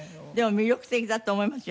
魅力的だと思いますよ